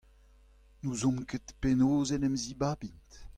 N'ouzomp ket penaos en em zibabint